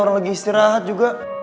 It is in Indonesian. orang lagi istirahat juga